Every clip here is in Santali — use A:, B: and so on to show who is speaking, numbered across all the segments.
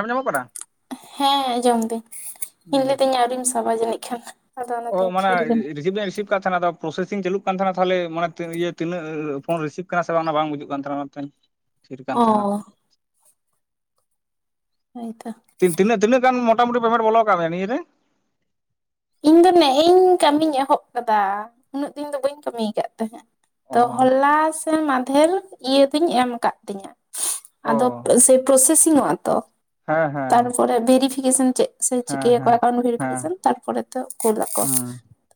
A: ᱮᱢ ᱧᱟᱢᱚᱜ ᱠᱟᱱᱟ?
B: ᱦᱮᱸ ᱟᱸᱡᱚᱢ ᱫᱟᱹᱧ ᱤᱧ ᱞᱟᱹᱭ ᱫᱟᱹᱧ ᱟᱹᱣᱨᱤᱢ ᱥᱟᱵᱟ ᱡᱟᱹᱱᱤᱡ ᱠᱷᱟᱱ ᱾
A: ᱚ ᱢᱟᱱᱮ ᱨᱤᱥᱤᱯ ᱫᱚ ᱨᱤᱥᱤᱯ ᱾ ᱠᱟᱜ ᱛᱟᱦᱮᱱᱟ ᱟᱫᱚ ᱯᱨᱚᱥᱮᱥᱤᱝ ᱪᱟᱹᱞᱩᱜ ᱠᱟᱱ ᱛᱟᱦᱮᱱᱟ ᱛᱟᱞᱦᱮ ᱢᱟᱱᱮ ᱤᱭᱟᱹ ᱛᱤᱱᱟᱹᱜ ᱯᱷᱳᱱ ᱨᱤᱥᱤᱵ ᱠᱟᱱᱟ ᱥᱮ ᱚᱱᱟ ᱵᱟᱝ ᱵᱩᱡᱩᱜ ᱠᱟᱱ ᱛᱟᱦᱮᱱᱟ ᱚᱱᱟᱛᱮ ᱾
B: [inaudible]
A: ᱛᱷᱤᱨ ᱠᱟᱱ ᱛᱟᱦᱮᱱᱟ ᱾
B: ᱦᱳᱭ ᱛᱚ ᱾
A: ᱛᱤᱱ ᱛᱤᱱᱟᱜ ᱛᱤᱱᱟᱹᱜ ᱜᱟᱱ ᱢᱳᱴ ᱼᱼ ᱢᱚᱴᱟ ᱢᱩᱴᱤ ᱯᱮᱢᱮᱱᱴ ᱵᱚᱞ ᱠᱟᱜ ᱢᱮ ᱱᱤᱭᱟᱹ ᱨᱮ ᱾
B: ᱤᱧ ᱫᱚ ᱱᱮᱜ ᱤᱧ ᱠᱟᱹᱢᱤᱧ ᱮᱦᱚᱵ ᱠᱟᱫᱟ ᱩᱱᱟᱹᱜ ᱫᱤᱱ ᱫᱚ ᱵᱟᱹᱧ ᱠᱟᱹᱢᱤ ᱠᱟᱫ ᱛᱟᱦᱮᱸᱫ ᱾
A: ᱚ
B: ᱛᱚ ᱦᱚᱞᱟ ᱥᱮ ᱢᱟᱫᱷᱮᱨ ᱤᱭᱟᱹ ᱫᱚᱧ ᱮᱢ ᱠᱟᱫ ᱛᱤᱧᱟ ᱾
A: ᱚ
B: ᱟᱫᱚ ᱯᱨᱚᱥᱮ-ᱯᱨᱚᱥᱮᱥᱤᱝᱚᱜᱼᱟ ᱛᱚ?
A: ᱦᱮᱸ ᱦᱮᱸ ᱾
B: ᱯᱚᱨᱮ ᱵᱷᱮᱨᱤᱯᱷᱤᱠᱮᱥᱚᱱ ᱪᱮᱫ ᱥᱮ ᱪᱤᱠᱟᱹᱭᱟᱠᱚ ᱮᱠᱟᱣᱩᱱᱴ
A: ᱦᱮᱸ
B: ᱵᱷᱮᱨᱤᱯᱷᱤᱠᱮᱥᱚᱱ ᱛᱟᱯᱚᱨᱮ ᱛᱚ ᱼᱼ ᱠᱳᱞ ᱟᱠᱚ
A: ᱦᱩᱸ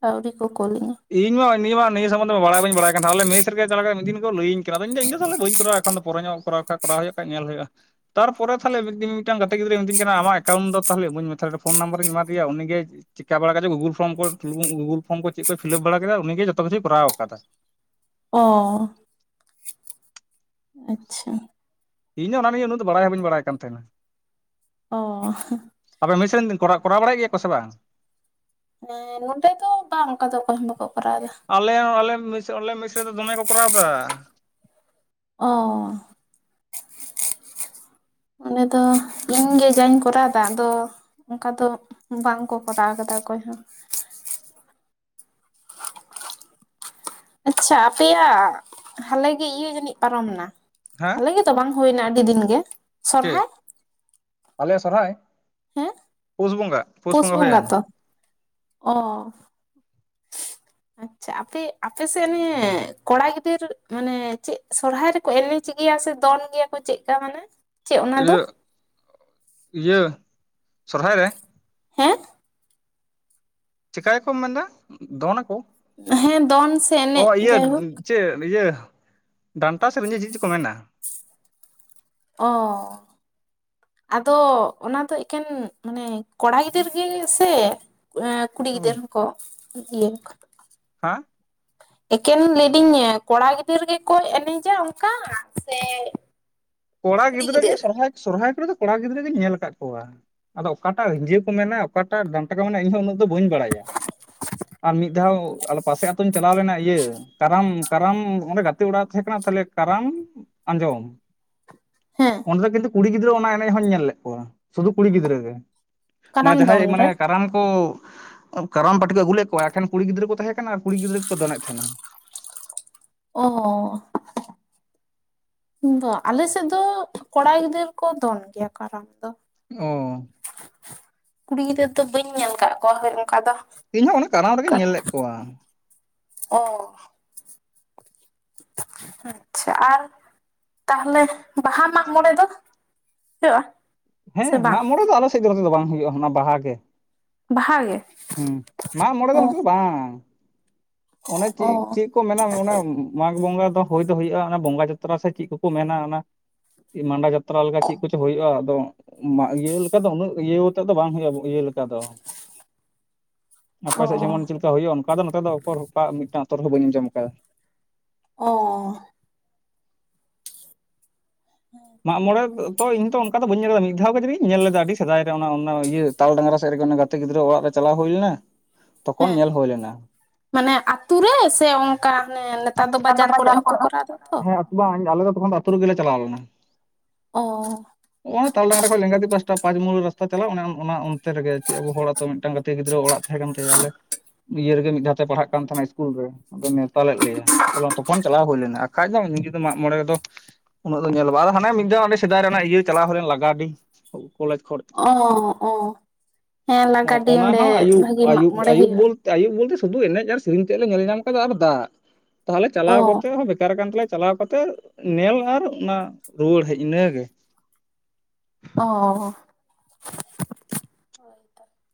B: ᱟᱹᱣᱨᱤ ᱠᱚ ᱠᱳᱞ ᱟᱧᱟᱹ ᱾
A: ᱤᱧ ᱢᱟ ᱱᱤᱭᱟᱹ ᱢᱟ ᱱᱤᱭᱟᱹ ᱥᱚᱢᱚᱱᱫᱷᱚ ᱵᱟᱲᱟᱭ ᱵᱟᱹᱧ ᱵᱟᱲᱟᱭ ᱠᱟᱱ ᱛᱟᱦᱮ ᱟᱞᱮ ᱢᱮᱥ ᱨᱮᱜᱮ ᱚᱠᱟ ᱞᱮᱠᱟ ᱢᱤᱫ ᱫᱤᱱ ᱠᱚ ᱞᱟᱹᱭᱟᱹᱧᱟ ᱠᱟᱱᱟ ᱤᱧ ᱫᱚ ᱤᱧ ᱫᱚ ᱛᱟᱞᱦᱮ ᱵᱟᱹᱧ ᱠᱚᱨᱟᱣᱟ ᱮᱠᱟᱣᱩᱴ ᱯᱚᱨᱮ ᱧᱚᱜ ᱼᱼ ᱠᱚᱨᱟᱣ ᱠᱷᱟᱡ ᱠᱚᱨᱟᱣ ᱦᱩᱭᱩᱜ-ᱟ ᱠᱷᱟᱡ ᱧᱮᱞ ᱦᱩᱭᱩᱜᱼᱟ ᱾ ᱛᱟᱨᱯᱚᱨᱮ ᱛᱟᱦᱞᱮ ᱢᱤᱫᱤᱱ ᱢᱤᱫᱴᱟᱝ ᱜᱟᱛᱮ ᱜᱤᱫᱽᱨᱟᱹᱭ ᱢᱤᱛᱟᱹᱧ ᱠᱟᱱᱟ ᱟᱢᱟᱜ ᱮᱠᱟᱩᱱᱴ ᱫᱚ ᱛᱟᱦᱞᱮ ᱤᱢᱟᱹᱧ ᱢᱮ ᱛᱟᱦᱞᱮ ᱯᱷᱳᱱ ᱱᱟᱢᱵᱟᱨᱤᱧ ᱮᱢᱟᱫᱮᱭᱟ ᱩᱱᱤᱜᱮ ᱼᱼ ᱪᱤᱠᱟ ᱵᱟᱲᱟ ᱠᱟᱜᱪᱚ ᱜᱩᱜᱩᱞ ᱯᱷᱚᱨᱚᱢ ᱠᱚ ᱜᱩᱜᱩᱞ ᱯᱷᱨᱚᱢ ᱠᱚ ᱪᱤᱜ ᱠᱚᱭ ᱯᱷᱤᱞᱟᱯ ᱵᱟᱲᱟ ᱠᱮᱫᱟ ᱩᱱᱤᱜ ᱜᱮ ᱡᱚᱛᱚ ᱠᱤᱪᱷᱩᱭ ᱠᱚᱨᱟᱣ ᱟᱠᱟᱫᱟ ᱾
B: ᱚᱻ ᱟᱪᱪᱷᱟ ᱾
A: ᱤᱧ ᱫᱚ ᱚᱱᱟ ᱱᱤᱭᱮ ᱩᱱᱟᱜ ᱫᱚ ᱵᱟᱲᱟᱭ ᱦᱚᱸ ᱵᱟᱹᱧ ᱵᱟᱲᱟᱭ ᱠᱟᱱ ᱛᱟᱦᱮᱱᱟ ᱾
B: ᱚᱻ
A: ᱟᱯᱮ ᱢᱤᱥ ᱨᱮᱱ ᱠᱚ-ᱠᱚᱨᱟᱣ ᱵᱟᱲᱟᱭᱮᱜ ᱜᱮᱭᱟ ᱠᱚ ᱥᱮ ᱵᱟᱝ?
B: ᱦᱮᱸ ᱱᱚᱸᱰᱮ ᱫᱚ ᱵᱟᱝ ᱚᱱᱠᱟ ᱫᱚ ᱚᱠᱚᱭ ᱦᱚᱸ ᱵᱟᱠᱚ ᱠᱚᱨᱟᱣ ᱫᱟ ᱾
A: ᱟᱞᱮ ᱟᱞᱮᱤᱥ ᱟᱞᱮ ᱢᱤᱥᱨᱤ ᱫᱚᱢᱮ ᱠᱚ ᱠᱚᱨᱟᱣ ᱮᱫᱟᱹ
B: ᱚ ᱟᱞᱮ ᱫᱚ ᱤᱧᱜᱮ ᱡᱟᱧ ᱠᱚᱨᱟᱣᱫᱟ ᱟᱫᱚ ᱚᱱᱠᱟ ᱫᱚ ᱵᱟᱝ ᱠᱚ ᱠᱚᱨᱟᱣ ᱠᱟᱫᱟ ᱚᱠᱚᱭ ᱦᱚᱸ ᱟᱪᱷᱟ ᱟᱯᱮᱭᱟᱜ ᱦᱟᱞᱮ ᱜᱮ ᱤᱭᱟᱹ ᱡᱟᱹᱱᱤᱡ ᱯᱟᱨᱚᱢᱱᱟ
A: ᱦᱮᱸ
B: ᱦᱟᱞᱮᱜᱮ ᱛᱚ ᱵᱟᱝ ᱦᱩᱭᱱᱟ ᱟᱹᱰᱤ ᱫᱤᱱ ᱜᱮ
A: ᱪᱮᱫ
B: ᱥᱚᱨᱦᱟᱭ
A: ᱟᱞᱮ ᱥᱚᱨᱦᱟᱭ
B: ᱦᱮᱸ
A: ᱯᱩᱥ ᱵᱚᱸᱜᱟ ᱯᱩᱥ
B: ᱯᱳᱥ ᱵᱚᱸᱜᱟ
A: ᱦᱩᱭᱮᱱ
B: ᱛᱚ ᱚ ᱟᱪᱷᱟ ᱟᱯᱮ ᱟᱯᱮ ᱥᱮᱱ ᱠᱚᱲᱟ ᱜᱤᱫᱟᱹᱨ ᱢᱟᱱᱮ ᱪᱮᱫ ᱥᱚᱨᱦᱟᱭ ᱨᱮ ᱮᱱᱮᱡ ᱜᱮᱭᱟ ᱥᱮ ᱫᱚᱱ ᱜᱮᱭᱟ ᱠᱚ ᱪᱮᱫᱮᱠᱟ ᱢᱟᱱᱮ ᱪᱮᱫ ᱚᱱᱟ
A: ᱤᱭᱟᱹ
B: ᱫᱚ
A: ᱤᱭᱟᱹ ᱥᱚᱨᱦᱟᱭ ᱨᱮ ᱼᱼ
B: ᱦᱮᱸ ᱾
A: ᱪᱤᱠᱟᱹᱭᱟᱠᱚᱢ ᱢᱮᱱ ᱫᱟ ᱫᱚᱱ ᱱᱟᱠᱚ
B: ᱦᱮᱸ ᱫᱚᱱ ᱥᱮ
A: ᱚ
B: ᱮᱱᱮᱡ
A: ᱤᱭᱟᱹ
B: ᱡᱟᱭᱦᱳᱠ
A: ᱪᱮᱫ ᱤᱭᱟᱹ ᱰᱟᱱᱴᱟ ᱥᱮᱫ ᱪᱮᱫ ᱪᱚᱠᱚ ᱠᱚ ᱢᱮᱱᱟ.
B: ᱚ ᱟᱫᱚ ᱚᱱᱟ ᱫᱚ ᱮᱠᱮᱱ ᱢᱟᱱᱮ ᱠᱚᱲᱟ ᱜᱤᱫᱟᱹᱨ ᱜᱮ ᱥᱮ ᱮᱸ ᱠᱩᱲᱤ ᱜᱤᱫᱟᱹᱨ ᱦᱚᱸᱠᱚ ᱤᱭᱟᱹ
A: ᱦᱮᱸ
B: ᱮᱠᱮᱱ ᱞᱟᱹᱭᱤᱫᱤᱧᱟ ᱠᱚᱲᱟ ᱜᱤᱫᱽᱟᱹᱨ ᱜᱮᱠᱚ ᱮᱱᱮᱡᱟ ᱚᱱᱠᱟ ᱥᱮ
A: ᱠᱚᱲᱟ
B: ᱠᱩᱲᱤ
A: ᱜᱤᱫᱽᱨᱟᱹ ᱜᱮ
B: ᱜᱤᱫᱟᱹᱨ
A: ᱥᱚᱨᱦᱟᱭ ᱥᱚᱨᱦᱟᱭ ᱠᱚᱨᱮ ᱫᱚ ᱠᱚᱲᱟ ᱜᱤᱫᱽᱨᱟᱹᱤᱧ ᱧᱮᱞ ᱟᱠᱟᱫ ᱠᱚᱣᱟ ᱟᱫᱚ ᱚᱠᱟᱴᱟᱜ ᱡᱟᱹ ᱠᱚ ᱢᱮᱱᱟ ᱚᱠᱟᱴᱟᱜ ᱰᱟᱱᱴᱟ ᱠᱚ ᱢᱮᱱᱟ ᱤᱧ ᱩᱱᱟᱹᱜ ᱫᱚ ᱵᱟᱹᱧ ᱵᱟᱲᱟᱭᱟ ᱟᱨ ᱢᱤᱫ ᱫᱷᱟᱣ ᱟᱞᱮ ᱯᱟᱥᱮ ᱟᱛᱧ ᱪᱟᱞᱟᱣ ᱞᱮᱱᱟ ᱤᱭᱟᱹ ᱠᱟᱨᱟᱢ ᱠᱟᱨᱟᱢ ᱚᱸᱰᱮ ᱜᱟᱛᱮ ᱚᱲᱟᱜ ᱛᱟᱦᱮᱸ ᱠᱟᱱᱟ ᱛᱟᱦᱚᱞᱮ ᱠᱟᱨᱟᱢ ᱟᱸᱡᱚᱢ
B: ᱦᱮᱸ
A: ᱚᱸᱰᱮ ᱫᱚ ᱠᱤᱱᱛᱩ ᱠᱩᱲᱤ ᱜᱤᱫᱽᱨᱟᱹ ᱚᱱᱟ ᱮᱱᱮᱡ ᱦᱚᱧ ᱧᱮᱞ ᱞᱮᱫ ᱠᱚᱣᱟ ᱥᱩᱫᱩ ᱠᱩᱲᱤ ᱜᱤᱫᱽᱨᱟᱹ ᱜᱮ ᱢᱟ
B: ᱠᱟᱨᱟᱢ ᱫᱚᱱ
A: ᱡᱟᱦᱟᱸᱭ ᱢᱟᱱᱮ
B: ᱨᱮ
A: ᱠᱟᱨᱟᱢ ᱠᱚ ᱠᱟᱨᱟᱢ ᱯᱟᱹᱴᱤ ᱠᱚ ᱟᱹᱜᱩᱞ ᱞᱮᱫ ᱠᱚᱣᱟ ᱮᱠᱷ ᱠᱩᱲᱤ ᱜᱤᱫᱽᱨᱟᱹ ᱠᱚ ᱛᱟᱦᱮᱸ ᱠᱟᱱᱟ ᱟᱨ ᱠᱩᱤᱤᱫᱽᱨᱟᱹ ᱠᱚ ᱫᱚᱮᱫ ᱛᱟᱦᱮᱱᱟ
B: ᱚ ᱫᱚ ᱟᱞᱮ ᱥᱮᱫ ᱫᱚ ᱠᱚᱲᱟ ᱜᱤᱫᱟᱹᱨ ᱠᱚ ᱫᱚᱱ ᱜᱮᱭᱟ ᱠᱟᱨᱟᱢ ᱫᱚ
A: ᱚ
B: ᱠᱩᱲᱤ ᱜᱤᱫᱽᱨᱟᱹᱨᱟᱹ ᱫᱚ ᱵᱟᱹᱧ ᱧᱮᱞ ᱟᱠᱟᱫ ᱠᱚᱣᱟ ᱦᱳᱭ ᱚᱱᱠᱟ ᱫᱚ
A: ᱤᱧᱦᱚᱸ ᱚᱱᱟ ᱠᱟᱨᱟᱢ ᱨᱮᱜᱮᱧ ᱧᱮᱞ ᱞᱮᱫ ᱠᱚᱣᱟ
B: ᱚ ᱟᱪᱷᱟ ᱟᱨ ᱛᱟᱦᱞᱮ ᱵᱟᱦᱟ ᱢᱟᱜ ᱢᱚᱬᱮ ᱫᱚ ᱦ
A: ᱦᱮᱸ ᱢᱟᱜ ᱢᱚᱬᱮ ᱫᱚ ᱟᱞᱮ ᱥᱮᱫ ᱫᱚ ᱱᱚᱛᱮ ᱫᱚ ᱵᱟᱝ ᱦᱩᱭᱩᱜᱼᱟ ᱵᱟᱦᱟ ᱜᱮ
B: ᱵᱟᱦᱟ ᱜᱮ
A: ᱦᱩ ᱢᱟᱜ ᱢᱚᱬᱮ
B: ᱚ
A: ᱜᱟᱱ ᱛ ᱵᱟᱝ ᱚᱱᱮ ᱪᱮᱫ
B: ᱚ
A: ᱪᱮᱫ ᱪᱮᱫ ᱠᱚ ᱢᱮᱱᱟ ᱚᱱᱟ ᱢᱟᱜᱽ ᱵᱚᱸᱜᱟ ᱫᱚ ᱦᱩᱭ ᱫᱚ ᱦᱩᱭᱩᱜᱼᱟ ᱵᱚᱸᱜᱟ ᱡᱟᱛᱨᱟ ᱥᱮ ᱪᱮᱫ ᱠᱚᱠᱚ ᱢᱮᱱᱟ ᱚᱱᱟ ᱢ ᱟᱸᱰᱟ ᱡᱟᱛᱨᱟ ᱞᱮᱠᱟ ᱪᱮᱫ ᱠᱚᱪᱚ ᱦᱩᱭᱩᱜᱼᱟ ᱟᱫᱚ ᱤᱭᱟᱹ ᱞᱮᱠᱟ ᱫᱚ ᱩᱱᱟᱹᱜ ᱤᱭᱟᱹᱛᱮᱫ ᱫᱚ ᱵᱟᱝ ᱦᱩᱭᱩᱜᱼᱟ ᱤᱭᱟᱹ ᱞᱮᱠᱟ ᱫᱚ ᱟᱯᱮ
B: ᱚ
A: ᱥᱮᱫ ᱡᱮᱢᱚᱱ ᱪᱮᱫ ᱞᱮᱠᱟᱠᱟ ᱦᱩᱭᱩᱜᱼᱟ ᱚᱱᱠᱟ ᱫᱚ ᱱᱚᱛᱮ ᱫᱚ ᱚᱠᱚᱨᱠᱟ ᱢᱤᱫᱴᱟᱝ ᱛᱚᱨ ᱦᱚᱸ ᱵᱟᱹᱧ ᱟᱸᱡᱚᱢ ᱟᱠᱟᱫᱟ
B: ᱚ
A: ᱢᱟᱜ ᱢᱚᱬᱮ ᱛᱚ ᱤᱧᱚ ᱚᱱᱠᱟ ᱫᱚ ᱵᱟᱹᱧ ᱧ ᱞᱮᱫ ᱠᱮᱫ ᱢᱤᱫ ᱫᱷᱟᱣ ᱜᱮ ᱡᱩᱤ ᱧ ᱞᱮᱫᱟ ᱟᱹᱰᱤ ᱥᱮᱫᱟᱭ ᱨᱮ ᱚᱱᱟ ᱤᱭᱟᱹ ᱛᱟᱞ ᱰᱟᱝᱨᱟ ᱥᱮᱫ ᱨᱮᱜᱮ ᱜᱤᱫᱽᱨᱟᱹ ᱚᱲᱟᱜ ᱨᱮ ᱪᱟᱞᱟᱣ ᱦᱩᱭ ᱞᱮᱱᱟ ᱛᱚᱠᱷᱚᱱ
B: ᱦᱮᱸ
A: ᱧᱮᱞ ᱦᱩᱭ ᱞᱮᱱᱟ
B: ᱢᱟᱱᱮ ᱟᱛ ᱨᱮ ᱥᱮ ᱚᱱᱠᱟᱟᱱᱮ ᱱᱮᱛᱟᱨ ᱫᱚ ᱵᱟᱡᱟᱨ ᱠᱚᱨᱮ ᱦᱚᱸᱠᱚ ᱠᱚᱨᱟᱣ ᱮᱟ ᱛᱚ
A: ᱵᱟᱝ ᱟᱞᱮ ᱫᱚᱚᱠᱷᱚᱱ ᱫᱚ ᱟᱹᱛᱩ ᱨᱮᱜᱞᱮ ᱪᱟᱞᱟᱣ ᱞᱮᱱᱟ
B: ᱚ
A: ᱛᱟᱞ ᱰᱟᱝᱜᱟ ᱠᱷᱚᱱᱚᱡ ᱞᱮᱸᱜᱟᱫᱛᱤ ᱯᱟᱥᱴᱟ ᱯᱟᱸᱪ ᱢᱩᱞ ᱨᱟᱥᱛᱟ ᱪᱟᱞᱟᱜᱼᱟ ᱚᱱᱟ ᱚᱱᱛᱮ ᱨᱮᱜᱮ ᱪᱮᱫ ᱟᱵᱚ ᱦᱚᱲ ᱚ ᱢᱤᱫᱴᱟᱝ ᱜᱟᱛᱮ ᱜᱤᱫᱽᱨᱟᱹ ᱚᱲᱟᱜ ᱛᱟᱦᱮᱸ ᱠᱟᱱ ᱛᱟᱭᱟ ᱟᱞᱮ ᱤᱭᱟᱹ ᱨᱮᱜᱮ ᱢᱤᱜ ᱫᱷᱟᱣ ᱛᱮ ᱯᱟᱲᱦᱟᱜ ᱠᱟᱱ ᱛᱟᱦᱮᱱᱟ ᱥᱠᱩᱞ ᱨᱮ ᱟᱫᱚ ᱱᱮᱣᱛᱟ ᱞᱮᱜ ᱞᱮᱭᱟ᱾ ᱛᱟᱞᱮ ᱛᱚᱠᱷᱚᱱ ᱪᱟᱞᱟᱣ ᱦᱩᱭ ᱞᱮᱱᱟ᱾ ᱟᱠᱷᱟᱡ ᱫᱚ ᱤᱧᱡᱩ ᱫᱚ ᱢᱟᱜ ᱢᱚᱬᱮ ᱨᱮᱫᱚ ᱩᱱᱟᱹᱜ ᱫᱚ ᱧᱮᱞᱚᱜ ᱵᱟ ᱦᱟᱱᱮ ᱢᱤᱜᱫᱷᱟᱣ ᱥᱮᱫᱟᱭ ᱨᱮᱱᱟᱜ ᱤᱭᱟᱹ ᱪᱟᱞᱟᱣ ᱦᱩᱭ ᱞᱮ ᱞᱟᱜᱟᱰᱤ᱾ ᱠᱚᱞᱮᱡᱽ ᱠᱷᱚᱰ
B: ᱚ ᱚ ᱦᱮᱸ ᱞᱟᱜᱟᱰᱤ
A: ᱚᱱᱟ
B: ᱚᱸᱰᱮ
A: ᱦᱚᱸ ᱟᱹᱭᱩᱵ
B: ᱵᱷᱟᱹᱜᱤ ᱢᱟᱜ
A: ᱟᱹᱭᱩᱵ
B: ᱢᱚᱬᱮ
A: ᱟᱹᱭᱩᱵ
B: ᱦᱩᱭᱩᱜᱼᱟ
A: ᱵᱚᱞ ᱛᱮ ᱟᱹᱭᱩᱵ ᱵᱚᱞᱛᱮ ᱥᱩᱫᱩ ᱮᱱᱮᱡ ᱟᱨ ᱥᱤᱨᱤᱧ ᱛᱮᱜ ᱞᱮ ᱧᱮᱞ ᱧᱟᱢ ᱠᱟᱫᱟ ᱟᱨ ᱫᱟᱜ᱾ ᱛᱟᱦᱚᱞᱮ
B: ᱚ
A: ᱪᱟᱞᱟᱣ ᱠᱟᱛᱮᱜ ᱦᱚᱸ ᱵᱮᱠᱟᱨ ᱠᱟᱱ ᱛᱟᱞᱮᱭᱟ ᱪᱟᱞᱟᱣ ᱠᱟᱛᱮᱜ ᱧᱮᱞ ᱟᱨ ᱚᱱᱟ ᱨᱩᱣᱟᱹᱲ ᱦᱮᱡ ᱤᱱᱟᱹᱜᱮ᱾
B: ᱚ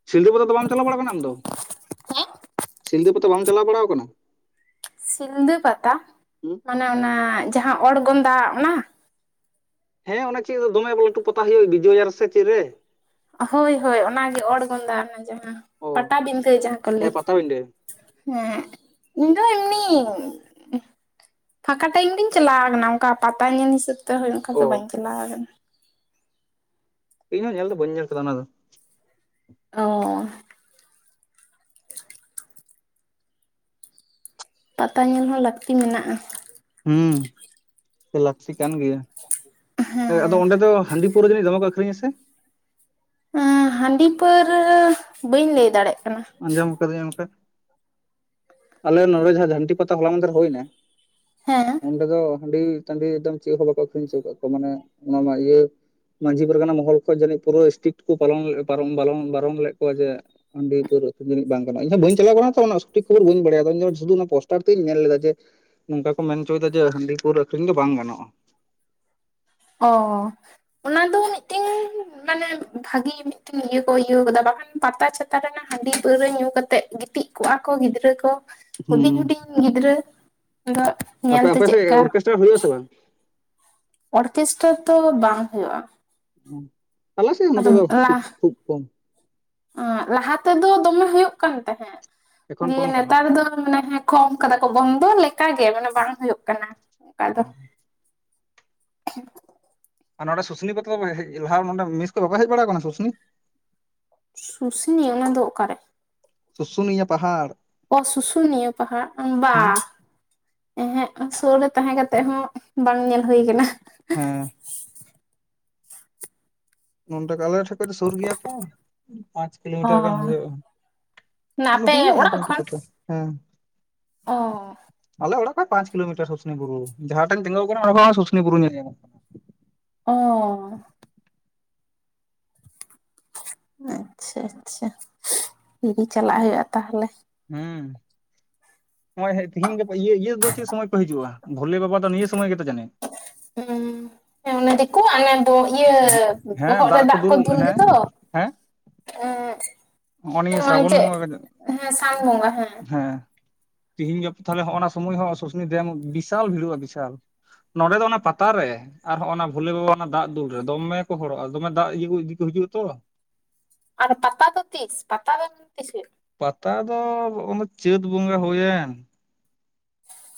A: ᱥᱤᱞᱫᱟᱹ ᱯᱟᱛᱟ ᱫᱚ ᱵᱟᱢ ᱪᱟᱞᱟᱣ ᱵᱟᱲᱟ ᱠᱟᱱᱟ ᱟᱢᱫᱚ?
B: ᱦᱮᱸ
A: ᱥᱤᱞᱫᱟᱹ ᱯᱟᱛᱟ ᱵᱟᱢ ᱪᱟᱞᱟᱣ ᱵᱟᱲᱟᱣ ᱟᱠᱟᱱᱟ?
B: ᱥᱤᱞᱫᱟᱹ ᱯᱟᱛᱟ
A: ᱦᱩᱸ
B: ᱢᱟᱱᱮ ᱚᱱᱟ ᱡᱟᱦᱟᱸ ᱚᱲᱜᱚᱱᱫᱟ ᱚᱱᱟ?
A: ᱦᱮᱸ ᱚᱱᱟ ᱪᱮᱫ ᱫᱚ ᱫᱚᱢᱮ ᱞᱟᱹᱴᱩ ᱯᱟᱛᱟ ᱦᱩᱭᱩᱜᱼᱟ ᱵᱤᱡᱚᱭᱟ ᱨᱮᱥᱮ ᱪᱮᱫ ᱨᱮ
B: ᱦᱳᱭ ᱦᱳᱭ ᱚᱱᱟᱜᱮ ᱚᱬᱜᱚᱱᱫᱟ ᱚᱱᱟ ᱡᱟᱦᱟᱸ
A: ᱚ
B: ᱯᱟᱴᱟᱵᱤᱱᱫᱟᱹ ᱡᱟᱦᱟᱸ ᱠᱚ
A: ᱦᱮᱸ
B: ᱞᱟᱹᱭ
A: ᱯᱟᱛᱟᱵᱤᱸᱰᱟᱹ
B: ᱦᱮᱸ ᱤᱧ ᱫᱚ ᱮᱢᱱᱤ ᱯᱷᱟᱸᱠᱟ ᱴᱟᱭᱤᱢ ᱜᱤᱧ ᱪᱟᱞᱟᱣ ᱠᱟᱱᱟ ᱚᱝᱠᱟ ᱯᱟᱛᱟ ᱧᱮᱞ ᱦᱤᱥᱟᱹᱵᱽ ᱛᱮ ᱦᱳᱭ ᱚᱝᱠᱟ ᱫᱚ
A: ᱚ
B: ᱵᱟᱹᱧ ᱪᱟᱞᱟᱣ ᱠᱟᱱᱟ᱾
A: ᱤᱧᱹᱦᱚᱸ ᱧᱮᱞ ᱫᱚ ᱵᱟᱹᱧ ᱧᱮᱞ ᱠᱟᱫᱟ ᱚᱱᱟ ᱫᱚ᱾
B: ᱚ ᱯᱟᱛᱟ ᱧᱮᱞ ᱦᱚᱸ ᱞᱟᱹᱠᱛᱤ ᱢᱮᱱᱟᱜᱼᱟ᱾
A: ᱦᱩᱸ ᱥᱮ ᱞᱟᱹᱠᱛᱤ ᱠᱟᱱ ᱜᱮᱭᱟ᱾ ᱮ
B: ᱦᱮᱸ
A: ᱟᱫᱚ ᱚᱸᱰᱮ ᱫᱚ ᱦᱟᱸᱰᱤ ᱯᱟᱹᱣᱨᱟᱹ ᱡᱟᱹᱱᱤᱡ ᱫᱚᱢᱮ ᱠᱚ ᱟᱹᱠᱷᱨᱤᱧᱟ ᱥᱮ?
B: ᱮᱸ ᱦᱟᱸᱰᱤ ᱯᱟᱹᱣᱨᱟᱹ ᱵᱟᱹᱧ ᱞᱟᱹᱭ ᱫᱟᱲᱮᱜ ᱠᱟᱱᱟ᱾
A: ᱟᱸᱡᱚᱢ ᱟᱠᱟᱫᱟᱹᱧ ᱚᱱᱠᱟ, ᱟᱞᱮ ᱱᱚᱰᱮ ᱡᱟᱦᱟᱸ ᱡᱷᱟᱱᱴᱤ ᱯᱟᱛᱟ ᱦᱚᱞᱟ ᱢᱟᱸᱫᱷᱮᱨ ᱦᱩᱭᱱᱟ᱾
B: ᱦᱮᱸ
A: ᱚᱸᱰᱮ ᱫᱚ ᱦᱟᱸᱰᱤ ᱴᱟᱸᱰᱤ ᱮᱠᱫᱚᱢ ᱪᱮᱜ ᱦᱚᱸ ᱵᱟᱠᱚ ᱟᱹᱠᱷᱨᱤᱧ ᱪᱚ ᱠᱟᱜ ᱠᱚᱣᱟ ᱢᱟᱱᱮ ᱚᱱᱟᱢᱟ ᱤᱭᱟᱹ ᱢᱟᱡᱷᱤ ᱯᱟᱨᱜᱟᱱᱟ ᱢᱚᱦᱚᱞ ᱠᱷᱚᱡ ᱡᱟᱹᱱᱤᱡ ᱯᱩᱨᱟᱹ ᱥᱴᱤᱴ ᱠᱚ ᱯᱟᱞᱚᱱ ᱯᱟᱨᱚᱱ ᱵᱟᱵᱚᱱ ᱵᱟᱨᱚᱱ ᱞᱮᱜ ᱠᱚᱣᱟ ᱡᱮ ᱟᱺᱰᱤ ᱯᱟᱹᱨᱣᱟᱹ ᱟᱹᱠᱷᱨᱤᱧ ᱫᱚ ᱱᱤᱡ ᱵᱟᱝ ᱜᱟᱱᱚᱜᱼᱟ, ᱤᱧ ᱦᱚᱸ ᱵᱟᱹᱧ ᱪᱟᱞᱟᱣ ᱠᱟᱱᱟ ᱛᱚ ᱚᱱᱟ ᱥᱚᱴᱷᱤᱠ ᱠᱷᱚᱵᱚᱨ ᱵᱟᱹᱧ ᱵᱟᱲᱟᱭᱟ ᱤᱧ ᱥᱩᱫᱩ ᱚᱱᱟ ᱯᱳᱥᱴᱟᱨ ᱛᱮᱜ ᱤᱧ ᱧᱮᱞ ᱞᱮᱫᱟ ᱡᱮ ᱱᱚᱝᱠᱟ ᱠᱚ ᱢᱮᱱᱪᱚᱭ ᱫᱟ ᱡᱮ ᱦᱟᱸᱰᱤ ᱯᱟᱹᱣᱨᱟᱹ ᱟᱹᱠᱷᱨᱤᱧ ᱫᱚ ᱵᱟᱝ ᱜᱟᱱᱚᱜᱼᱟ᱾
B: ᱚ ᱚᱱᱟ ᱫᱚ ᱢᱤᱜᱴᱮᱱ ᱢᱟᱱᱮ ᱵᱷᱟᱜᱤ ᱢᱤᱜᱴᱮᱱ ᱤᱭᱟᱹ ᱠᱚ ᱤᱭᱟᱹᱣ ᱠᱟᱫᱟ, ᱵᱟᱠᱷᱟᱱ ᱯᱟᱛᱟ ᱪᱷᱟᱛᱟ ᱨᱮᱱᱟᱜ ᱦᱟᱸᱰᱤ ᱯᱟᱹᱣᱨᱟᱹ ᱧᱩ ᱠᱟᱛᱮᱜ ᱜᱤᱛᱤᱡ ᱠᱚᱜᱼᱟ ᱠᱚ ᱜᱤᱫᱽᱨᱟᱹ ᱠᱚ ᱦᱩᱰᱤᱧ
A: ᱦᱩᱸ
B: ᱦᱩᱰᱤᱧ ᱜᱤᱫᱽᱨᱟᱹ ᱟᱫᱚ
A: ᱟᱯᱮ
B: ᱧᱮᱞᱛᱮ
A: ᱟᱯᱮ ᱥᱮᱜ
B: ᱪᱮᱫᱠᱟ
A: ᱚᱨᱠᱮᱥᱴᱟᱨ ᱦᱩᱭᱩᱜ ᱟᱥᱮ ᱵᱟᱝ?
B: ᱚᱨᱠᱮᱥᱴᱚᱨ ᱛᱚ ᱵᱟᱝ ᱦᱩᱭᱩᱜᱭᱼᱟ᱾
A: ᱩ
B: ᱟᱫᱚᱢ ᱞᱟ ᱟᱸ ᱞᱟᱦᱟ ᱛᱮᱫᱚ ᱫᱚᱢᱮ ᱦᱩᱭᱩᱜ ᱠᱟᱱ ᱛᱟᱦᱮᱸᱜ᱾
A: ᱮᱠᱷᱚᱱ
B: ᱫᱤᱭᱮ
A: ᱠᱚᱢ ᱟᱠᱟᱱᱟ
B: ᱱᱮᱛᱟᱨ ᱫᱚ ᱢᱟᱱᱮᱸ ᱠᱚᱢ ᱠᱟᱫᱟ ᱠᱚ ᱵᱚᱱᱫᱚ ᱞᱮᱠᱟᱜᱮ ᱢᱟᱱᱮ ᱵᱟᱝ ᱦᱩᱭᱩᱜ ᱠᱟᱱᱟ᱾ ᱚᱠᱟ ᱫᱚ
A: ᱚ ᱟᱨ ᱱᱚᱰᱮ ᱥᱩᱥᱱᱤ ᱯᱚᱛᱟ ᱫᱚ ᱦᱮᱡ ᱞᱟᱦᱟ ᱱᱚᱸᱰᱮ ᱢᱮᱥ ᱠᱷᱚᱡ ᱵᱟᱯᱮ ᱦᱮᱡ ᱵᱟᱲᱟᱣ ᱠᱟᱱᱟ ᱥᱩᱥᱱᱤ?
B: ᱥᱩᱥᱱᱤ ᱚᱱᱟ ᱫᱚ ᱚᱠᱟᱨᱮ?
A: ᱥᱩᱥᱩᱱᱤᱭᱟ ᱯᱟᱦᱟᱲ᱾
B: ᱚ ᱥᱩᱥᱩᱱᱤᱭᱟᱹ ᱯᱟᱦᱟ ᱚᱸ ᱵᱟ᱾
A: ᱦᱩᱸ
B: ᱮᱦᱮᱸᱜ ᱥᱩᱨ ᱨᱮ ᱛᱟᱦᱮᱸ ᱠᱟᱛᱮᱜ ᱦᱚᱸ ᱵᱟᱝ ᱧᱮᱞ ᱦᱩᱭ ᱠᱟᱱᱟ᱾
A: ᱦᱮᱸ ᱱᱚᱸᱰᱮ ᱟᱞᱮ ᱴᱷᱮᱜ ᱠᱷᱚᱡ ᱫᱚ ᱥᱩᱨ ᱜᱮᱭᱟ ᱛᱚᱸ ᱯᱟᱸᱪ
B: ᱚ
A: ᱠᱤᱞᱳᱢᱤᱴᱟᱨ ᱜᱟᱱ ᱦᱩᱭᱩᱜᱼᱟ᱾
B: ᱚᱱᱟ
A: ᱟᱫᱚ
B: ᱟᱯᱮ
A: ᱦᱩᱭᱩᱜᱼᱟ
B: ᱚᱲᱟᱜ
A: ᱢᱳᱴᱟᱢᱩᱴᱤ
B: ᱠᱷᱚᱱ
A: ᱯᱟᱛᱟ ᱦᱮᱸ
B: ᱚ
A: ᱟᱞᱮ ᱚᱲᱟᱜ ᱠᱷᱚᱡ ᱯᱟᱸᱪ ᱠᱤᱞᱳᱢᱤᱴᱟᱨ ᱥᱩᱥᱩᱱᱤ ᱵᱩᱨᱩ, ᱡᱟᱦᱟᱸ ᱴᱮᱱ ᱛᱤᱸᱜᱩᱣ ᱠᱟᱱᱟ ᱚᱸᱰᱮ ᱠᱷᱚᱱ ᱦᱚᱸ ᱥᱩᱩᱱᱤ ᱵᱩᱨᱩ ᱧᱮᱞ ᱧᱟᱢᱚᱜ
B: ᱚᱻ ᱟᱪᱪᱷᱟ ᱟᱪᱪᱷᱟ ᱡᱩᱫᱤ ᱪᱟᱞᱟᱜ ᱦᱩᱭᱩᱜᱼᱟ ᱛᱟᱦᱚᱞᱮ᱾
A: ᱦᱮᱸ ᱱᱚᱜᱼᱚᱭ ᱦᱮᱡ ᱛᱤᱦᱤᱧ ᱜᱟᱯᱟ ᱤᱭᱟᱹ ᱤᱭᱟᱹ ᱫᱚ ᱪᱮᱜ ᱥᱚᱢᱚᱭ ᱠᱚ ᱦᱤᱡᱩᱜᱼᱟ? ᱵᱷᱳᱞᱮ ᱵᱟᱵᱟ ᱫᱚ ᱱᱤᱭᱟᱹ ᱥᱚᱢᱚᱭ ᱜᱮᱛᱚ ᱡᱟᱹᱱᱤᱡ᱾
B: ᱚᱸ [unintelligible] ᱦᱮᱸ ᱚᱱᱮ ᱫᱤᱠᱩ ᱟᱜ ᱚᱱᱮ ᱫᱚ ᱤᱭᱟᱹ ᱵᱚᱦᱚᱜ ᱨᱮ ᱫᱟᱜ ᱠᱚ ᱫᱩᱞ ᱜᱮᱫᱚ
A: ᱦᱮᱸ
B: ᱮ ᱦᱮᱸ
A: ᱱᱚᱜᱼᱚ ᱱᱤᱭᱟᱹ
B: ᱱᱚᱜᱼᱚᱭ
A: ᱥᱨᱟᱵᱚᱱ
B: ᱪᱮᱛ
A: ᱵᱚᱸᱜᱟ
B: ᱦᱮᱸ ᱥᱟᱱ ᱵᱚᱸᱜᱟ ᱦᱮᱸ
A: ᱛᱤᱦᱤᱧ ᱜᱟᱯᱟ ᱛᱟᱦᱚᱞᱮ ᱦᱚᱜ ᱚᱱᱟ ᱥᱩᱢᱚᱭ ᱦᱚᱸ ᱥᱩᱥᱱᱤ ᱰᱮᱢ ᱵᱤᱥᱟᱞ ᱵᱷᱤᱲᱚᱜᱼᱟ ᱵᱤᱥᱟᱞ ᱱᱚᱰᱮ ᱫᱚ ᱚᱱᱟ ᱯᱟᱛᱟᱨᱮ ᱟᱨ ᱦᱚᱸᱜ ᱚᱱᱟ ᱵᱷᱳᱞᱮ ᱵᱟᱵᱟ ᱚᱱᱟ ᱫᱟᱜ ᱫᱩᱞ ᱨᱮ ᱫᱚᱢᱮ ᱠᱚ ᱦᱚᱲᱚᱜᱼᱟ ᱫᱚᱢᱮ ᱫᱟᱜ ᱤᱭᱟᱹ ᱠᱚ ᱤᱫᱤ ᱠᱚ ᱦᱤᱡᱩᱜᱼᱟ ᱛᱚ
B: ᱟᱨ ᱯᱟᱛᱟ ᱫᱚ ᱛᱤᱥ ᱯᱟᱛᱟ ᱫᱚ ᱛᱤᱥ ᱦᱩᱭᱩᱜ-ᱟ
A: ᱯᱟᱛᱟ ᱫᱚ ᱚᱱᱟ ᱪᱟᱹᱛ ᱵᱚᱸᱜᱟ ᱦᱩᱭᱮᱱ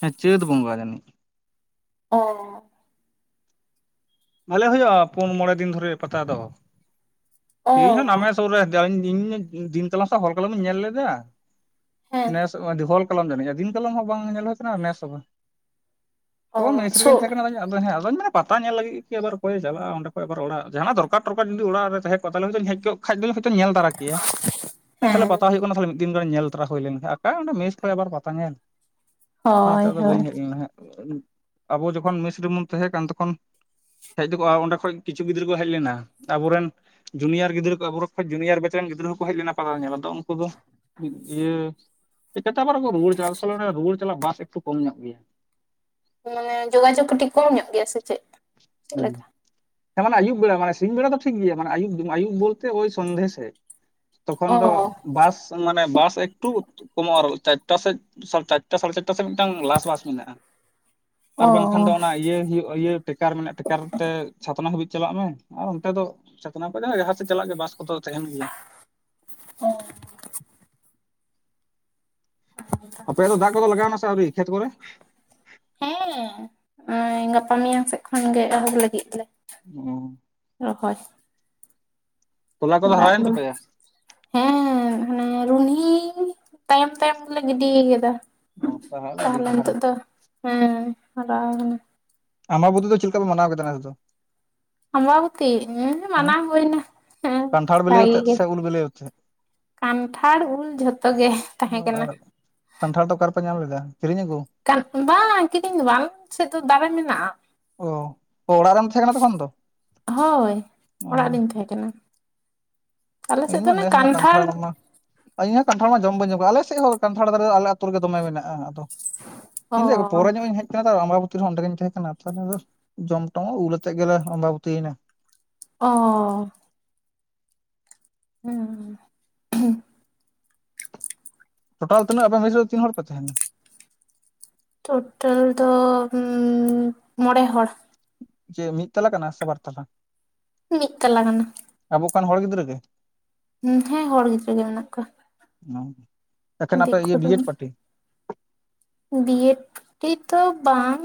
A: ᱦᱮᱸ ᱪᱟᱹᱛ ᱵᱚᱸᱜᱟ ᱡᱟᱹᱱᱤᱡ
B: ᱚ
A: ᱵᱷᱟᱞᱮ ᱦᱩᱭᱩᱜᱼᱟ ᱯᱩᱱ ᱢᱚᱬᱮ ᱫᱤᱱ ᱫᱷᱚᱨᱮ ᱯᱟᱛᱟ ᱫᱚ
B: ᱚ
A: ᱤᱧ ᱦᱚᱸ ᱱᱟᱢᱮ ᱥᱩᱨ ᱨᱮ ᱤᱧ ᱫᱤᱱᱠᱟᱞᱚᱢ ᱠᱷᱚᱡ ᱦᱚᱞ ᱠᱟᱞᱚᱢ ᱤᱧ ᱧᱮᱞ ᱞᱮᱫᱟ
B: ᱦᱮᱸ
A: ᱱᱮᱸᱥ ᱚᱢ ᱡᱼᱟ ᱫᱤᱱ ᱠᱟᱞᱚᱢ ᱦᱚᱸ ᱵᱟᱝ ᱧᱮᱞ ᱦᱩᱭ ᱟᱠᱟᱱᱟ ᱱᱮᱥ ᱦᱚᱸ ᱵᱟᱝ
B: ᱚ
A: ᱛᱚ
B: ᱥᱳ
A: ᱢᱮᱥᱨᱮᱜᱤᱧ ᱛᱟᱦᱮᱸ ᱠᱟᱱᱟ ᱟᱫᱚ ᱦᱮᱸ ᱟᱫᱚᱧ ᱢᱮᱱᱟ ᱯᱟᱛᱟ ᱧᱮᱞ ᱞᱟᱹᱜᱤᱜ ᱠᱮ ᱟᱵᱟᱨ ᱭᱮ ᱪᱟᱞᱟᱜ ᱚᱸᱰᱮ ᱠᱷᱚᱡ ᱟᱵᱟᱨ ᱚᱲᱟᱜ ᱡᱟᱦᱟᱱᱟᱜ ᱫᱚᱨᱠᱟᱨ ᱴᱚᱨᱠᱟᱨ ᱡᱫᱤ ᱚᱲᱟᱜ ᱨᱮ ᱛᱟᱦᱮᱸ ᱠᱚᱜ ᱛᱟᱞᱮ ᱦᱳᱭᱛᱚᱧ ᱦᱮᱡ ᱠᱚᱜ ᱠᱷᱟᱡ ᱫᱚᱧ ᱦᱳᱭᱛᱚᱧ ᱧᱮᱞ ᱛᱟᱨᱟ ᱠᱮᱭᱟ ᱢᱮᱱᱛᱟᱞᱮ
B: ᱦᱮᱸ
A: ᱯᱟᱛᱟ ᱦᱩᱭᱩᱜ ᱠᱟᱱᱟ ᱛᱟᱞᱮ ᱢᱤᱫ ᱫᱤᱱ ᱜᱟᱱ ᱧᱮᱞ ᱛᱟᱨᱟ ᱦᱩᱭ ᱞᱮᱱ ᱠᱷᱟᱡ ᱟᱠᱟ ᱨᱮ ᱚᱸᱰᱮ ᱢᱮᱥ ᱠᱚᱨᱮ ᱯᱟᱛᱟ ᱧᱮᱞ᱾ ᱚᱱᱟᱛᱮ
B: ᱦᱳᱭ
A: ᱟᱫᱚ
B: ᱦᱳᱭ
A: ᱵᱟᱹᱧ ᱦᱮᱡ ᱞᱮᱱᱟ ᱦᱜ ᱟᱵᱚ ᱡᱚᱠᱷᱚᱱ ᱢᱮᱥ ᱨᱮᱵᱚᱱ ᱛᱟᱦᱮᱸ ᱠᱟᱱ ᱛᱚᱠᱷᱚᱱ ᱦᱮᱡ ᱫᱚᱠᱜᱼᱟ ᱚᱸᱰᱮ ᱠᱷᱚᱱᱚᱡ ᱠᱤᱪᱷᱩ ᱜᱤᱫᱽᱨᱟᱹ ᱠᱚ ᱦᱮᱡ ᱞᱮᱱᱟ ᱟᱵᱚᱨᱮᱱ ᱡᱩᱱᱤᱭᱟᱨ ᱜᱤᱫᱽᱨᱟᱹ ᱟᱵᱚ ᱠᱷᱚᱱ ᱡᱩᱱᱤᱭᱟᱨ ᱵᱮᱪ ᱨᱮᱱ ᱜᱤᱫᱽᱨᱟᱹ ᱠᱚ ᱦᱮᱡ ᱞᱮᱱᱟ ᱯᱟᱛᱟ ᱧᱮᱞ ᱟᱫᱚ ᱩᱱᱠᱩ ᱫᱚ ᱤᱭᱟᱹ ᱦᱮᱡ ᱠᱟᱛᱮ ᱟᱵᱟᱨ ᱠᱚ ᱨᱩᱣᱟᱹᱲ ᱪᱟᱞᱟᱜᱼᱟ ᱥᱟᱞᱟ ᱚᱱᱟ ᱨᱩᱣᱟᱹᱲ ᱪᱟᱞᱟᱜ ᱵᱟᱥ ᱮᱠᱴᱩ ᱠᱚᱢ ᱧᱚᱜ ᱜᱮᱭᱟ
B: ᱢᱟᱱᱮ ᱡᱳᱜᱟᱡᱳᱜᱽ ᱠᱟᱹᱴᱤᱡ ᱠᱚᱢ ᱧᱚᱜ ᱜᱮᱭᱟ ᱥᱮ ᱪᱮᱫ ᱪᱮᱫ ᱞᱮᱠᱟ?
A: ᱦᱩᱸ ᱦᱮᱸ ᱢᱟᱱᱮ ᱟᱹᱭᱩᱵ ᱵᱮᱨ ᱢᱟᱱᱮ ᱥᱤᱧ ᱵᱮᱲᱟ ᱫᱚ ᱴᱷᱤᱠ ᱜᱮᱭᱟ ᱢᱟᱱᱮ ᱟᱭᱩᱵ ᱟᱹᱭᱩᱵ ᱵᱚᱞᱛᱮ ᱳᱭ ᱥᱚᱱᱫᱷᱮ ᱥᱮᱫ ᱛᱚᱠᱷᱚᱱ
B: ᱚ
A: ᱫᱚ ᱵᱟᱥ ᱢᱟᱱᱮ ᱵᱟᱥ ᱮᱠᱴᱩ ᱠᱚᱢᱚᱜᱼᱟ ᱟᱨ ᱪᱟᱨᱴᱟ ᱥᱮᱫ ᱪᱟᱨᱴᱟ ᱥᱟᱲᱮ ᱪᱟ ᱴᱟ ᱥᱮᱫ ᱢᱤᱫᱴᱟᱝ ᱞᱟᱥ ᱵᱟᱥ ᱢᱮᱱᱟᱜᱼᱟ
B: ᱚ
A: ᱟᱨ ᱵᱟᱝᱠᱷᱟᱱ ᱫᱚ ᱚᱱᱟ ᱤᱭᱟᱹ ᱦᱩᱭᱩᱜ ᱤᱭᱟᱹ ᱴᱮᱠᱟᱨ ᱢᱮᱱᱟᱜᱼᱟ ᱴᱮᱠᱟᱨ ᱛᱮ ᱪᱷᱟᱛᱱᱟ ᱦᱟᱹᱵᱤᱡ ᱪᱟᱞᱟᱜ ᱢᱮ ᱟᱨ ᱚᱱᱛᱮ ᱫᱚ ᱪᱷᱟᱛᱱᱟ ᱠᱷᱚᱡᱟᱜ ᱡᱟᱦᱟ ᱥᱮᱫ ᱪᱟᱞᱟᱜ ᱜᱮ ᱵᱟᱥ ᱠᱚᱫᱚ ᱛᱟᱦᱮᱱ ᱜᱮᱭᱟ
B: ᱦᱮ
A: ᱟᱯᱮᱭᱟᱜ ᱫᱚ ᱫᱟᱜ ᱠᱚ ᱞᱟᱜᱟᱣ ᱱᱟ ᱥᱮ ᱟᱹᱣᱨᱤ ᱠᱷᱮᱛ ᱠᱚᱨᱮ
B: ᱦᱮᱸ ᱜᱟᱯᱟ ᱢᱮᱭᱟᱝ ᱥᱮᱫ ᱠᱷᱚᱱ ᱜᱮ ᱮᱦᱚᱵ ᱞᱟᱹᱜᱤᱫ ᱞᱮ
A: ᱚ
B: ᱨᱚᱦᱚᱭ
A: ᱛᱚᱞᱟ ᱠᱚᱫᱚ
B: ᱫᱟᱜ
A: ᱦᱟᱨᱟᱭᱮᱱ
B: ᱫᱚ
A: ᱛᱟᱯᱮᱭᱟ?
B: ᱦᱮᱸ ᱦᱟᱱᱮ ᱨᱩᱦᱱᱤ ᱛᱟᱭᱚᱢ ᱛᱟᱭᱚᱢ ᱜᱮᱞᱮ ᱜᱤᱰᱤ ᱠᱟᱫᱟ
A: ᱚ ᱟᱹᱰᱤ
B: ᱛᱟᱦᱚᱞᱮ
A: ᱞᱟᱦᱟ ᱨᱮ᱾
B: ᱱᱤᱛᱚᱜ ᱫᱚ ᱦᱮᱸ ᱦᱟᱨᱟ ᱠᱟᱱᱟ
A: ᱟᱢᱵᱟᱵᱚᱛᱤ ᱫᱚ ᱪᱮᱫ ᱞᱮᱠᱟ ᱯᱮ ᱢᱟᱱᱟᱣᱟ ᱠᱮᱫᱟ ᱱᱮᱥ ᱫᱚ
B: ᱟᱢᱵᱟᱵᱚᱛᱤ ᱦᱮ
A: ᱦᱩᱸ
B: ᱢᱟᱱᱟᱣ ᱦᱩᱭᱱᱟ ᱦᱮᱸ
A: ᱠᱟᱱᱴᱷᱟᱲ ᱵᱤᱞᱤ
B: ᱵᱷᱟᱜᱤ ᱜᱮ
A: [unintelligible]
B: ᱠᱟᱱᱴᱷᱟᱲ ᱩᱞ ᱡᱷᱚᱛᱚ ᱜᱮ ᱛᱟᱦᱮᱸ ᱠᱟᱱᱟ
A: ᱟᱨ ᱠᱟᱱᱴᱷᱟᱲ ᱫᱚ ᱚᱠᱟᱨᱮᱯᱮ ᱧᱟᱢ ᱞᱮᱫᱟ ᱠᱤᱨᱤᱧ ᱟᱹᱜᱩ
B: ᱵᱟᱝ ᱠᱤᱨᱤᱧ ᱫᱚ ᱵᱟᱝ ᱟᱞᱮ ᱥᱮᱫ ᱫᱚ ᱫᱟᱨᱮ ᱢᱮᱱᱟᱜᱼᱟ
A: ᱚ ᱚ ᱚᱲᱟᱜ ᱨᱮᱢ ᱛᱟᱦᱮᱸ ᱠᱟᱱᱟ ᱛᱚᱠᱷᱚᱱ ᱫᱚ?
B: ᱦᱳᱭ ᱚᱲᱟᱜ ᱨᱤᱧ ᱛᱟᱦᱮᱸ ᱠᱟᱱᱟ ᱟᱞᱮ
A: ᱤᱧ
B: ᱥᱮᱫ ᱫᱚ
A: ᱢᱟ
B: ᱚᱱᱮ
A: ᱱᱮᱥ ᱢᱟ ᱠᱟᱱᱴᱷᱟᱲ ᱢᱟ ᱤᱧᱦᱚᱸ ᱠᱟᱱᱴᱷᱟᱲ ᱢᱟ ᱡᱚᱢ ᱵᱟᱹᱧ ᱡᱚᱢ ᱠᱟᱫᱟ ᱟᱞᱮ ᱥᱮᱫ ᱦᱚ ᱠᱟᱱᱴᱷᱟᱲ ᱫᱟᱨᱮ ᱟᱞᱮ ᱟᱛᱳ ᱨᱮᱜᱮ ᱫᱚᱢᱮ ᱢᱮᱱᱟᱜ ᱟ ᱟᱫᱚ
B: ᱚ
A: ᱤᱧ ᱫᱚᱯᱚᱨᱮ ᱧᱚᱜ ᱤᱧ ᱦᱮᱡ ᱟᱢᱵᱟᱵᱚᱛᱤ ᱦᱚᱸ ᱚᱰᱮ ᱜᱤᱧ ᱛᱟᱦᱮᱸ ᱠᱟᱱᱟ ᱛᱟᱦᱚᱞᱮ ᱫᱚ ᱡᱚᱢ ᱴᱚᱢ ᱦᱚ ᱩᱞ ᱟᱛᱮᱜ ᱜᱮᱞᱮ ᱟᱢᱵᱟᱵᱛᱤᱭᱱᱟ
B: ᱚᱻ ᱦᱩᱸ
A: ᱴᱳᱴᱟᱞ ᱛᱤᱱᱟᱹᱜ ᱟᱯᱮ ᱢᱮᱥ ᱨᱮᱫᱚ ᱛᱤᱱ ᱦᱚᱲ ᱯᱮ ᱛᱟᱦᱮᱱᱟ
B: ᱴᱳᱴᱟᱞ ᱫᱚ ᱢᱚᱬᱮ ᱦᱚᱲ
A: ᱪᱮᱫ ᱢᱤᱫ ᱛᱟᱞᱟ ᱠᱟᱱᱟ ᱥᱮ ᱵᱟᱨ ᱛᱟᱞᱟ
B: ᱢᱤᱫ ᱛᱟᱞᱟ ᱠᱟᱱᱟ
A: ᱟᱵᱚ ᱮᱠᱮᱱ ᱦᱚᱲ ᱜᱤᱫᱽᱨᱟᱹ ᱜᱮ
B: ᱦᱮᱸ ᱦᱚᱲ ᱜᱤᱫᱽᱨᱟᱹ ᱜᱮ ᱢᱮᱱᱟᱜ ᱠᱚᱣᱟ᱾
A: ᱚ ᱮᱠᱮᱱ ᱟᱯᱮ
B: ᱫᱤᱠᱩ
A: ᱤᱭᱟᱹ
B: ᱫᱚ
A: ᱵᱤᱭᱮᱰ ᱯᱟᱴᱤ
B: ᱵᱤᱭᱮᱰ ᱯᱟᱴᱤ ᱛᱚ ᱵᱟᱝ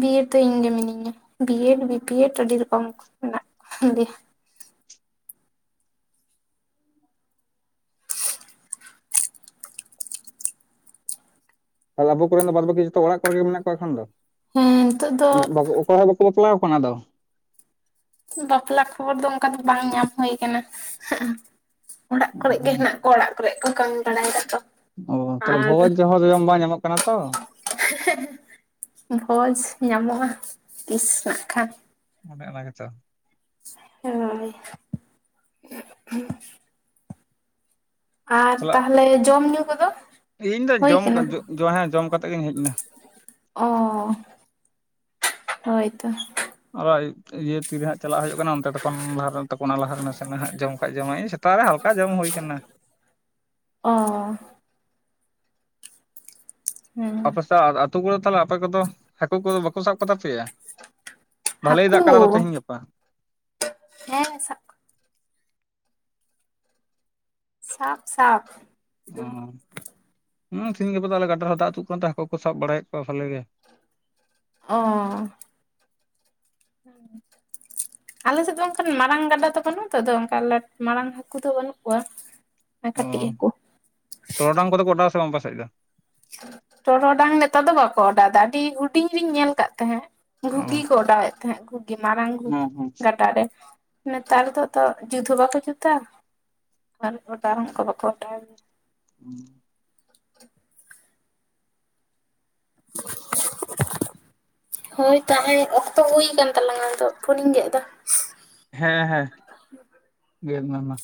B: ᱵᱤᱭᱮᱰ ᱫᱚ ᱤᱧᱜᱮ ᱢᱤᱱᱟᱹᱧᱟ ᱵᱤᱭᱮᱰ ᱵᱤᱯᱤᱭᱮᱰ ᱟᱹᱰᱤ ᱨᱚᱠᱚᱢ ᱠᱚ ᱢᱮᱱᱟᱜ ᱠᱚ ᱜᱮᱭᱟ᱾
A: ᱛᱟᱞᱮ ᱟᱵᱚ ᱠᱚᱨᱮᱱ ᱫᱚ ᱵᱟᱛ ᱵᱟᱹᱠᱤ ᱡᱚᱛᱚ ᱚᱲᱟᱜ ᱠᱚᱨᱮ ᱜᱮ ᱢᱮᱱᱟᱜ ᱠᱚᱣᱟ ᱮᱠᱷᱟᱱ ᱫᱚ
B: ᱦᱮᱸ ᱱᱤᱛᱚᱜ ᱫᱚ
A: ᱵᱟ ᱚᱠᱚᱭ ᱦᱚ ᱵᱟ ᱠᱚ ᱵᱟᱯᱞᱟᱣ ᱠᱟᱱᱟ ᱟᱫᱚ
B: ᱵᱟᱯᱞᱟ ᱠᱷᱚᱵᱚᱨ ᱫᱚ ᱚᱝᱠᱟ ᱫᱚ ᱵᱟᱝ ᱧᱟᱢ ᱦᱩᱭ ᱠᱟᱱᱟ ᱚᱲᱟᱜ ᱠᱚᱨᱮ ᱜᱮ ᱦᱮᱱᱟᱜ ᱟᱠᱚ ᱚᱲᱟᱜ ᱠᱚᱨᱮᱜ ᱠᱚ ᱠᱟᱹᱢᱤ ᱵᱟᱲᱟᱭ ᱫᱟᱠᱚ
A: ᱚ ᱛᱟᱦᱞᱮ ᱵᱷᱚᱡ ᱡᱟᱦᱟᱨᱮ ᱡᱚᱢ ᱵᱟᱝ ᱧᱟᱢᱚᱜ ᱠᱟᱱᱟ ᱛᱚ
B: ᱦᱮᱦᱮ ᱵᱷᱚᱡᱽ ᱧᱟᱢᱚᱜᱼᱟ ᱛᱤᱥ ᱱᱟᱜ ᱠᱷᱟᱱ᱾
A: ᱚᱱᱮ ᱚᱱᱟ ᱜᱮᱛᱚ,
B: ᱮ [inaudible] ᱟᱨ
A: ᱛᱟᱦᱚᱞᱮ
B: ᱛᱟᱦᱞᱮ ᱡᱚᱢ ᱧᱩ ᱠᱚᱫᱚ
A: ᱤᱧ ᱫᱚ
B: ᱦᱩᱭ
A: ᱡᱚᱢ ᱠᱟᱹ
B: ᱠᱟᱱᱟ
A: ᱦᱮᱸ ᱡᱚᱢ ᱠᱟᱛᱮᱜ ᱜᱤᱧ ᱦᱮᱡᱱᱟ᱾
B: ᱚ ᱦᱳᱭᱛᱚ
A: ᱚᱭ ᱤᱭᱟᱹ ᱛᱤᱨᱮ ᱦᱟᱸᱜ ᱪᱟᱞᱟᱜ ᱦᱳᱭᱳᱜ ᱠᱟᱱᱟ ᱚᱱᱛᱮ ᱛᱚᱠᱷᱱ ᱞᱟᱦᱟᱨᱮ ᱛᱟᱠᱚᱱᱟ ᱞᱟᱦᱟ ᱨᱮ ᱱᱟᱥᱮ ᱱᱟᱦᱟᱜ ᱡᱚᱢ ᱠᱷᱟᱡ ᱡᱚᱢᱟᱭ ᱥᱮᱛᱟᱜ ᱨᱮ ᱦᱟᱞᱠᱟ ᱡᱚᱢ ᱦᱩᱭ ᱟᱠᱟᱱᱟ᱾
B: ᱚ, ᱦᱮᱸ ᱾
A: ᱟᱯᱮᱥᱮᱜ ᱟᱨ ᱟᱹᱛᱩ ᱠᱚᱨᱮ ᱛᱟᱦᱚᱞᱮ ᱟᱯᱮ ᱠᱚᱫᱚ ᱦᱟᱹᱠᱩ ᱠᱚᱫᱚ ᱵᱟᱠᱩ ᱥᱟᱵ ᱠᱚ ᱛᱟᱯᱮᱭᱟ?
B: ᱦᱟᱠᱩ
A: ᱜᱟᱯᱟ
B: ᱦᱮᱸ ᱥᱟᱵ ᱥᱟᱵ ᱥᱟᱯᱷ
A: ᱚᱸ ᱛᱤᱦᱤᱧ ᱜᱟᱯᱟ ᱫᱚ ᱟᱞᱮ ᱜᱟᱰᱟ ᱨᱮᱦᱚᱸ ᱫᱟᱜ ᱟᱹᱛᱩᱜ ᱠᱟᱱᱛᱮ ᱦᱟᱹᱠᱩ ᱠᱚ ᱥᱟᱵ ᱵᱟᱲᱟᱭᱮᱜ ᱠᱚᱣᱟ ᱵᱷᱟᱞᱮ ᱜᱮ᱾
B: ᱚᱸ ᱾ [inaudible] ᱟᱞᱮ ᱥᱮᱜ ᱫᱚ ᱚᱝᱠᱟᱱ ᱢᱟᱨᱟᱝ ᱜᱟᱰᱟ ᱫᱚ ᱵᱟᱹᱱᱩᱜ ᱟᱜ ᱛᱚ ᱚᱝᱠᱟ ᱟᱞᱮ ᱢᱟᱨᱟᱝ ᱦᱟᱹᱠᱩ ᱫᱚ ᱵᱟᱹᱱᱩᱜ ᱠᱚᱣᱟ᱾ ᱮ ᱠᱟᱹᱴᱤᱡ
A: ᱚ
B: ᱦᱟᱹᱠᱩ,
A: ᱴᱚᱨᱚᱰᱟᱝ ᱠᱚᱫᱚ ᱠᱚ ᱚᱰᱟᱣᱟ ᱥᱮ ᱵᱟᱝ ᱟᱯᱮᱥᱮᱡ ᱫᱚ?
B: ᱴᱚᱨᱚᱰᱟᱝ ᱱᱮᱛᱟᱨ ᱫᱚ ᱵᱟᱠᱚ ᱚᱰᱟᱣ ᱫᱟ ᱟᱹᱰᱤ ᱦᱩᱰᱤᱧ ᱨᱤᱧ ᱧᱮᱞ ᱠᱟᱜ ᱛᱟᱦᱮᱸᱜ᱾ ᱜᱷᱩᱜᱤ
A: ᱚ
B: ᱠᱚ ᱚᱰᱟᱣᱮᱜ ᱛᱟᱦᱮᱸᱜ ᱜᱷᱩᱜᱤ ᱢᱟᱨᱟᱝ ᱜᱷᱩᱜᱤ ᱜᱟᱰᱟᱨ ᱨᱮ᱾ ᱱᱮᱛᱟᱨ ᱫᱚ ᱛᱚ ᱡᱩᱫ ᱦᱚᱸ ᱵᱟᱠᱚ ᱡᱩᱛᱟ ᱟᱨ ᱚᱰᱟᱣ ᱦᱚᱸ ᱚᱝᱠᱟ ᱵᱟᱠᱚ ᱚᱰᱟᱣᱟ ᱜᱮᱭᱟ ᱾
A: ᱩᱸ ᱾
B: [inaudible] ᱦᱳᱭ ᱛᱟᱦᱮᱸ ᱚᱠᱛᱚ ᱦᱩᱭᱠᱟᱱ ᱛᱟᱞᱟᱝ ᱟᱫᱚ ᱯᱷᱳᱱᱤᱧ ᱜᱮᱜ ᱫᱟ᱾
A: ᱦᱮᱸ ᱦᱮᱸ ᱜᱮᱫ ᱢᱮ ᱢᱟ᱾